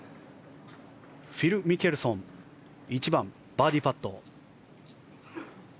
フィル・ミケルソン１番のバーディーパット。